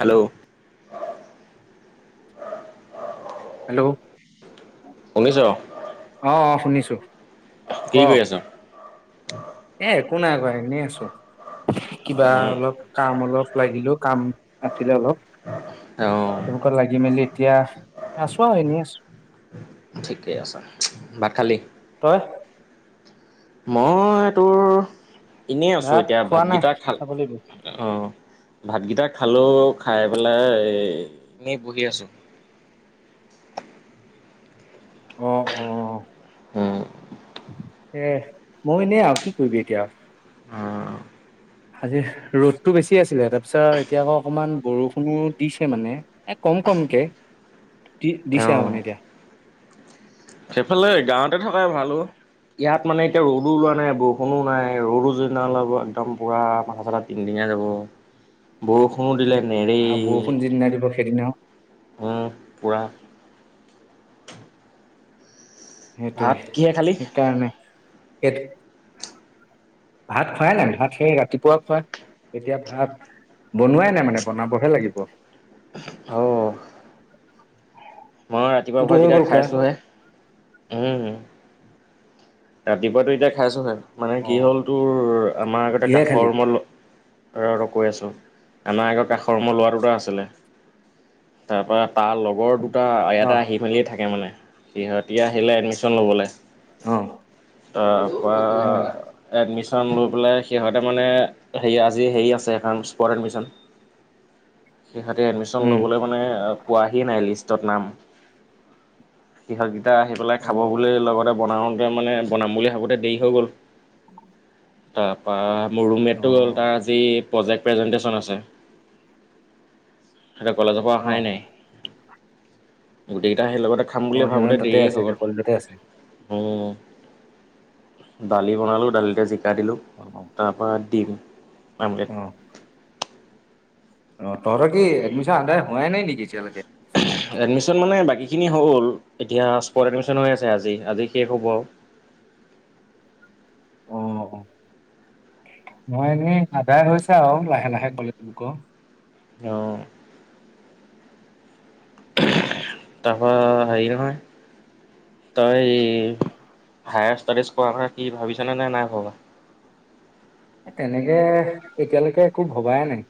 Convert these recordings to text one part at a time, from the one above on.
Hello hello শুনিছ অ অ শুনিছো [unintelligible] ক কি কৰি আছ এ একো নাই কৰা এনেই আছো কিবা উম অলপ কাম অলপ লাগিলো কাম আছিলে অলপ অঁ সেবোকত লাগি মেলি এতিয়া আছো আৰু এনেই আছো ঠিকেই আছে ভাত খালি তই মই তোৰ এনেই আছো ভাত এতিয়া খোৱা নাই ভাতকেইটা খাব লাগিব খালো অ ভাতকেইটা খালো খাই পেলাই এ এনেই বহি আছো অ অ উম এ মই এনেই আৰু কি কৰিবি এতিয়া অ আজি ৰ'দতটো বেছি আছিলে তাৰ পিছত এতিয়া আকৌ অকমান বৰষুণো দিছে মানে এ কম কমকে দি দিছে আৰু মানে এতিয়া সেইফালে গাঁৱতে থকাই ভাল অ' ইয়াত মানে এতিয়া ৰদো ওলোৱা নাই ব বৰষুণো নাই ৰ'দো যিদিনা ওলাব একদম পুৰা মাথা চাথা টিংটিঙাই যাব বৰষুণো দিলে হেৰি আৰু বৰষুণ যিদিনা দিব সেইদিনা উম পুৰা। ভাত কিহে খালি সেইটোৱে সেইকাৰণে। ভাত খোৱাই নাই ভাত সেই ৰাতিপুৱা খুৱাই এতিয়া ভাত বনোৱাই নাই মানে বনাবহে লাগিব। অ ময়ো ৰাতিপুৱা তোৰতো ভাত হৈ এতিয়া গ'ল খোৱা খাইছোহে। উম ৰাতিপুৱাাতো এতিয়া খাইছো হয়। মানে কি হ'ল তোৰ আমাৰ আগতে কিহে কাষৰ খালি ৰুমত। ৰ- ৰ কৈ আছো আমাৰ আগত কাষৰ ৰুমত লৰা দুটা আছিলে তাপা তাৰ লগৰ দুটা। দুটা অহ আহি মেলি থাকে মানে। সিহঁতি আহিলে এডমিশন লবলৈ। অহ তাপা উম এডমিশন। লৈ পেলাই সিহঁতে মানে হেৰি আজি হেৰি আছে এখনন স্পৰ্ট এডমিশন। সিহঁতে এডমিশ্যন উম ল'বলৈ মানে পোৱাহি নাই লিষ্ট। [unintelligible] [unintelligible] এতিয়া আহি পেলাই অ খাব বুলি লগতে বনাওঁ। মানে বনাম বুলি ভাবোতে দেৰি হৈ গ'ল। উ, তা পা মোৰ ৰুমেটটো গ'ল তাৰ আজি। প্ৰজেক্ট প্ৰেজেন্টেশচন আছে। সতে কলেজৰ পৰা অহাই নাই গোটেই কেইটা আহিল লগত। অ' সিহঁত তাতে আছে কলেজতে আছে উ দালি বনালো দালিতে চিক। এ দিলোঁ অ তাৰপৰা দিম। আমগে। অ অ' তহঁতৰ কি এডমিশ্যন আদায় হোৱাই নাই নেকি এতিয়ালৈকে। এডমিচন মানে বাকী। এইখিনি হ'ল এতিয়া সকত এডমিশন হৈ আছে আজি আজি শেষ হ'ব আৰু অ' মই এনেই আদায় হৈছে আৰু লাহে লাহে কলেজ বুকৰ। হ' তাৰপা হেৰি নহয়। তই, হায়াৰ ষ্টাডিজ কৰ কথা কি ভাবিছানে নে নাই ভবা? তেনেকে এতিয়ালৈকে একো ভবাই নাই।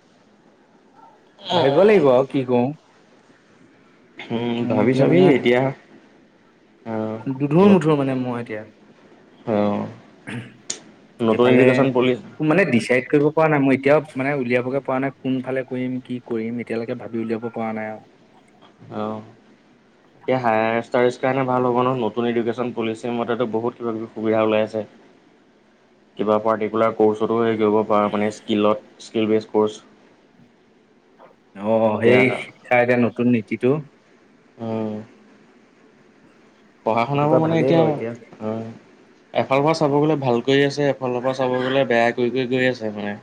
ভাবিব লাগিব কি কৰো। উম মোৰ ভাবি এতিয়া চাবি মানে এতিয়া। অঁ দুধুৰ মধুৰ মানে, মই এতিয়া অঁ নতুন এইফালে এডুকেশ্যন পলিচি মানে ডিচাইড কৰিব পৰা নাই মই এতিয়াও' মানে উলিয়াবগে প নাই কোন ফালে কৰিম কি কৰিম এতিয়ালৈকে ভাবি উলিয়াব পৰা নাই আৰু। অ, এতিয়া হায়। স কাৰণ ভ হ'ব নতুন এডুক্যন [unintelligible] পলিচিৰ মতেতো বহুত কিবা কিবি সুবিধা ওলাই আছে কিবা পাৰ্টিকুলাৰ। ক'ৰ্চতো হেৰি কৰিব পাৰা মানে, স্কীলত স্কীল । [unintelligible] অ, সেই শিক্ষা এতিটা নতুন নীতিটো। অঁ। পঢ়া সেইটোৰ শুনাবোৰ পৰা মানে ভালেই এতিয়া বাৰু হয়। এফালৰ চাব গলে ভাল কৰি আছে এফালৰ পৰা চাব গলে বেয়া কৰি গৈ আছে মানে।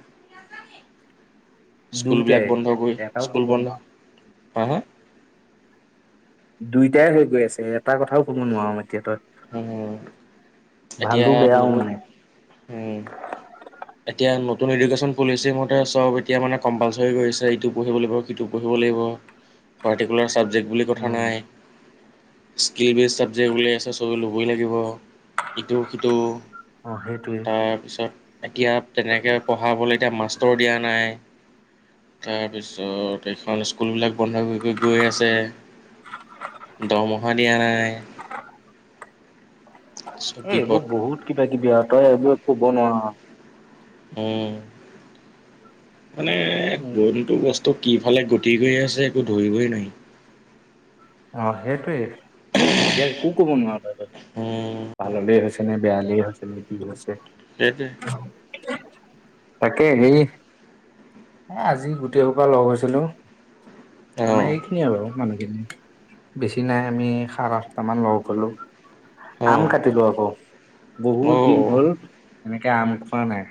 দুইটাই স্কুলবিলাক বন্ধ গৈ এটাও কব স্কুল বন্ধ। নোৱাৰো হ হ হ। দুইটাই হৈ গৈ আছে, এটা কথাও ক'ব নোৱাৰো মানে। এতিয়া ভালো বেয়াও নতুন মানে এতিয়া নতুন। নতুন এডুকেশ্যন পলিচি মতে চব এতিয়া মানে কম্পালচৰি কৰিছে ইটো পঢ়িব লাগিব, সিটো পঢ়িব লাগিব পাৰ্টিকুলাৰ ছাবজেক্ট । বুলি কথা উম নাই। স্কিল বেজড চাক্ট [unintelligible] ত ল'বই লাগিব ইটো সিটো। অ, সেইটোৱে। তাৰপিছত এতিয়া তেনেকৈ পঢ়াবলৈ এতিয়া মাষ্টৰ দিয়া নাই। তাৰপিছত এইেইখন স্কুলবিলাক। বন্ধ হৈ হৈ গৈ আছে দৰমহা দিয়া নাই। চব এ, এইবোৰ বিপদ বহুত কিবা কিবি আৰু তই এইবোৰ। বনোৱা [unintelligible] উম। মানে বন্তু বস্তু। ত' কিফালে গটি গৈ আছে একো ধৰিবই নোৱাৰি' অঁ সেইটোৱেই। এতিয়া একো কব নোৱাৰো [unintelligible] উম পাললে হৈছে নে বেয়াল আছে নেতি আছে [unintelligible] সেইটোয়ে তাকে সেৰি আজি গোটেইসোপা লগ হৈছিলো আমাৰ অ', এইখিনি আৰু মানে [unintelligible] [unintelligible] বেছি নাই আমি সাৰে আঠটামান লগ পালো [unintelligible] আম অ', কাটিলো আকৌ বহুত দিন অ'। হ'ল এনেকে আম খোৱা নাই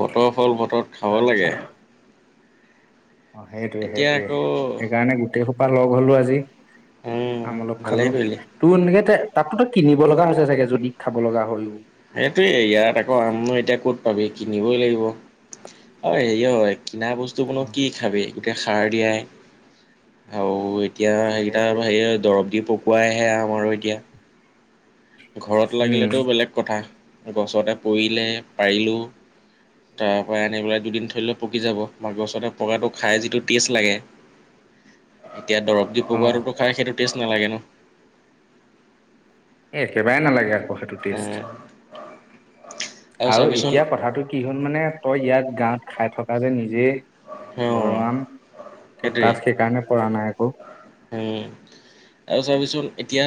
বতৰ ফল বতৰত খাব লাগে অ সেইটোয়ে এতিয়া সেইটোয়ে আকৌ সেইকাৰণে গোটেই বা লগ হ'লোঁ আজি উম আম অলপ ভালেই খালো কৰিলি। তোৰ এনেকে তাততো তো কিনিব লগা হৈছে চাগে যদি খাব লগা হয়ও সেইটোয়ে ইয়াত আকৌ আমনো এতিয়া ক'ত পাবি কিনিবই লাগিব আৰু হেৰি হয় কিনা বস্তু বো নো কি অ খাবি সাৰ দিয়াই আৰু এতিয়া সেইকেইটা সেইটোৱে দৰৱ দি পকোৱা কোৱাইহে আমাৰো এতিয়া ঘৰত উম লাগিলেটো বেলেগ কথা গছতে পৰিলে পাৰিলোঁ তাৰ পৰা আনি পেলাই দুদিন থই দিলে পকি যাব বা গছতে পকাটো খাই যিটো টেষ্ট লাগে এতিয়া দৰৱ দি অ পকোৱাটো খাই সেইটো টেষ্ট নালাগে ন এই একেবাই নালাগে আকৌ সেইটো টেষ্ট আৰু এতিয়া কথাটো কি হ'ল মানে তই ইয়াত গাঁওত খাই থকা যে নিজে অ ঘৰৰ আম সেইটোৱে তাত সেইকাৰণে পৰা নাই ক উম। আৰু চাবিচোন এতিয়া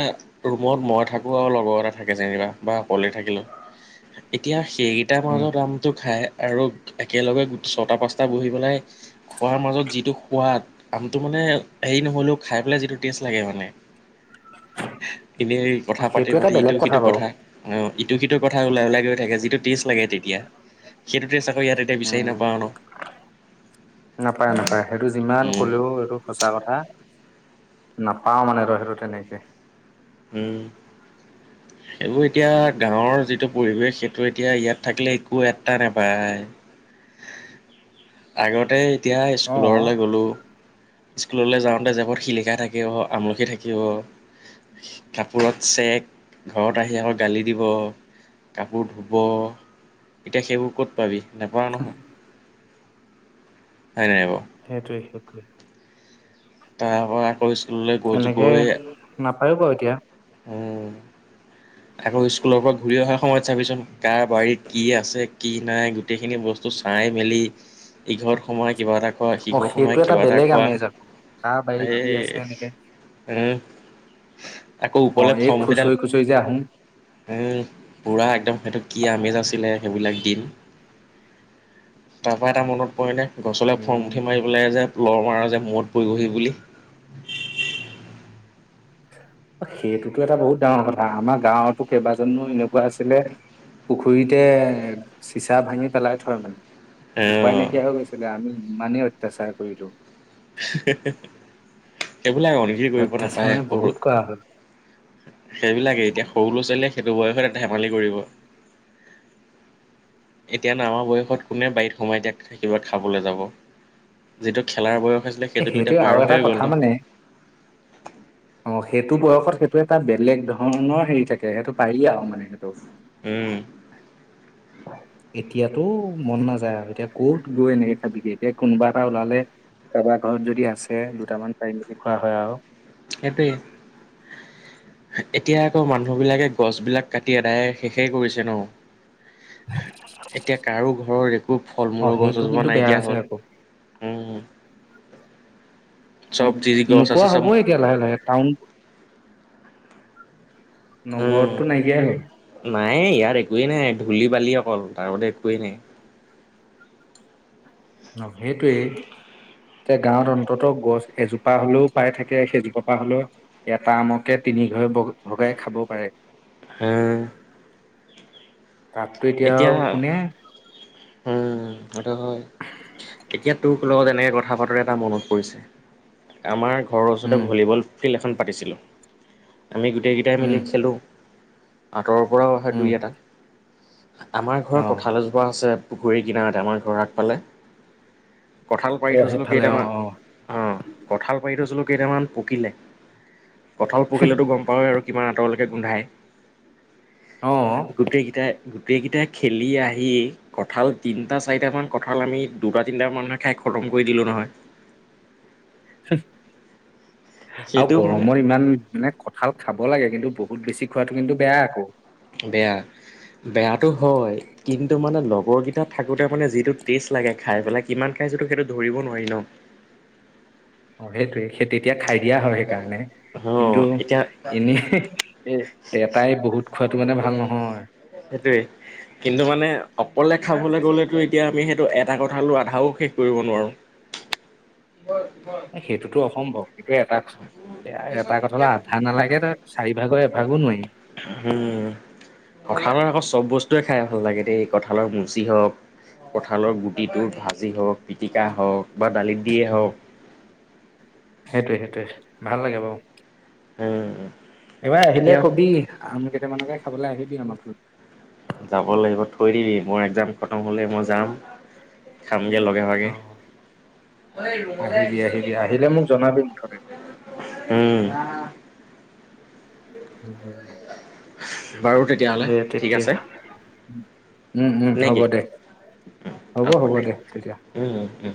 ৰুমত মই থাকোঁ আৰু লগৰ এটা থাকে যেনিবা বা অকলে থাকিলোঁ এতিয়া এই কেইটাৰ উম, মাজৰ আমটো খায় আৰু একেলগে ছটা পাঁচটা বহি পেলাই খোৱাৰ মাজত যিটো সোৱাদ আমটো মানে হেৰি নহ'লেও খাই পেলাই যিটো টেষ্ট লাগে মানে এনেই কথা পাতি সেইটো এটা পাতি ইটো বেলেগ সিটো বাৰু কথা অঁ ইটো সিটোৰ কথা ওলাই ওলাই গৈ থাকে যিটো টেষ্ট লাগে ।তেতিয়া সেইটো টেষ্ট ই ইয়াত এতিয়া বিচাৰি উম, নাপাও ন। নাপায় নাপায়। সেইটো যিমান উম কলেও এইটো সঁচা কথা। নাপাও মানে তই সেটো তেনেকে উম সেইবোৰ এতিয়া গাঁৱৰ যিটো পৰিৱেশ সেইটো এতিয়া ইয়াত থাকিলে একো এটা নাপায়। আগতেই এতিয়া অ, স্কুলৰলৈ গ'লোঁ স্কুললৈ যাওঁতে জেপত শিলিখা থাকিব, আমলখি থাকিব, কাপোৰত চেক ঘৰত আহি আকৌ গালি দিব কাপোৰ ধুব, এতিয়া সেইবোৰ ক'ত পাবি। নেপাঅ নহয় হয় নাই বাওঁ সেইটোৱে সেইটোৱে এক্ষ তাৰ পৰা কৰিছোঁ [unintelligible] তেনেকে [unintelligible] উম আকৌ স্কুলৰ পৰা ঘূৰি অহাৰ সময়ত চাবিচোন কাৰ বাৰীত কি আছে কি নাই গোটেইখিনি বস্তু চাই মেলি ইঘৰত সোমাই কিবা এটা খোৱা অ, সিহঁত সেইটো সোমাই কিবা এটা বেলেগ খোৱা, আমেজ আকৌ কাৰ বাৰীত কি আছে এনেকে এই আকৌ অ, ওপৰলৈ এই ফৰমুখিডাল। খুচৰি খুচৰি যে আহোম উম পুৰা একদম সেইটো কি আমেজ আছিলে সেইবিলাক দিন তাৰপৰা এটা মনত পৰেনে। গছলৈ ফৰ উম, মুুঠি মাৰিবলৈ যে লৰ মাৰ যে মূৰত পৰিবহি বুলি। সেইটোতো এটা বহুত ডাঙৰ কথা আমাৰ গাঁৱতো কেইবাজনো এনেকুৱা আছিলে পুখুৰীতে চিচা ভাঙি পেলাই থয় মানে। উপায় অ', নাইকিয়া হৈ গৈছিলে আমি মানে অত্যাচাৰ কৰিলো। হে সেইবিলাক অগৰি কৰিব অত্যাচাৰ নাপায় মানে বহুত কৰা হ'ল। বহুত সেইবিলাকে এতিয়া সৰু ল'ৰা ছোৱালীয়ে। সেইটো বয়সতে ধেমালি কৰিব এতিয়া নামা বয়সত কোনে বাৰীত সোমাই কিবা থাকিবা খাবলৈ যাব যিটো খেলাৰ বয়স আছিলে এ সেইটোতো এতিয়া সেইটোৱে পাৰ আৰু এটা হৈয়ে গ'ল ন। কথা মানে অ সেইটো বয়সত সেইটো এটা বেলেগ ধৰণৰ হেৰি থাকে সেইটো পাৰিলে আৰু মানে সেইটো হম এতিয়াতো মন নাযায় আৰু এতিয়া কত গৈ এনেকে খাবিগে এতিয়া কোনোবা এটা ওলালে কাৰোবাৰ ঘৰত যদি আছে দুটামান পাৰি মেলি খোৱা হয় আৰু সেইটোৱে এতিয়া আকৌ মানুহ বিলাকে গছ বিলাক কাটি আদায় শেষেই কৰিছে ন? এতিয়া কাৰো ঘৰৰ একো ফল অ মূলৰ গছ সেইটো এজোপা কিন্তু বেয়া নাইকিয়া হৈছে হ'ল, আকৌ উম। অ চব যি-যি গছ নোপোৱা আছে চব হ'বই এতিয়া লাহে লাহে টাউন উম, নগৰতটো নাইকিয়াই হ'ল। নাই ইয়াত একোৱেই নাই ধূলি বালি অকল তাৰগতে একোৱেই নাই। অ সেইটোৱে। যে গাঁৱত অন্তত গছ এজোপা হলেও পাই থাকে, সেইজোপা হলেও এটা আমকে তিনি ঘৰে ভগাই খাব পাৰে। হা তাততো এতিয়া কোনে হেতু হয়। তেতিয়া তোক লগত এনেকৈ কথা পাতোতে এটা মনত পৰিছে। আমাৰ ঘৰৰ ওচতে উম ভলীবল ফিল্ড এখন পাতিছিলোঁ। আমি গোটেইকেইটাই মিলি উম খেলোঁ। আঁতৰৰ পৰাও আহে উম দুই এটা। আমাৰ অ ঘৰৰ কঁঠালৈজোপোৱা আছে। পুখুৰীৰ কিনাৰতে আমাৰ ঘ আগ পালে। কঁঠাল পাৰি অ থৈছিলো সেইফালে অ কেইটামান, অ অহ কঠাল থৈছিলো কেইটামান পকিলে। কঁাল পকিলেতো গম পাৱৱ আৰু কিমান অতৰৰলৈকে গোন্ধাই। অ গোটেইকেইটাই গ গোটেইকেইটাই খেলি আহি কঁঠাল তিনিটা চাৰিটামান কঁঠাল আমি দুটা তিনিট মানুহে খাই খতম কৰি দিলোঁ নহয়। [unintelligible] আৰু সেইটো মানে গৰমত ইমান মানে কঠাল খাব লাগে কিন্তু বহুত বেছি খোৱাটো কিন্তু বেয়া আকৌ। বেয়া, বেয়াটো হয় কিন্তু মানে লগ বৰকেইটাত থাকোঁতে মানে যিটো টেষ্ট লাগে খাই পেলাই, কিমান খাইছোঁতো সেইটো ধৰিব নোৱাৰি ন? অ সেইটোয়ে খে তেতিয়া খাই দিয়া হয় সেইকাৰণে, অ কিন্তু এতিয়া এনে এটাই বহুত খোৱাটো মানে ভাল নহয়। সেইটোৱে কিন্তু মানে অকলে খাবলৈ গ'লেতো এতিয়া আমি সেইটো এটা কথাালৈ আধাও শেষ কৰিব নোৱাৰোঁ। বৰ-বৰ সম্ভৱ। এইটো এটা, এটা কথা হলে আধা নালাগে ত চাৰিভাগৰ এভাগো নোৱাৰি। উম। কঁঠালৰ আকৌ চব বস্তুৱে খাই ভাল লাগে দেই। কঁঠালৰ মুচি হওক, কঁঠালৰ গুটিটো ভাজি হওক, পিটিকা হওক। বা, দালিত দিয়ে হওক। সেইটোৱে সেইটোৱে ভাল লাগে বাৰু। উম। এইবাৰ আহিলে এতিয়া কবি, আম কেইটামানকে খাবলৈ আহিবি অলপ। থ [inaudible] যাব লাগিব থৈ দিবি মই। একজাম, খতম হ'লে মই যাম। খামগে লগে ভাগে আহিবি আহিবি আহিলে মোক জনাবি মুঠতে উম। উম হম। [unintelligible] তেতিয়াহ'লে দে ঠিক তেতিয়া আছে উম উম নে হ'ব কি দে হ'ব হ'ব দে তেতিয়া উম উ। উম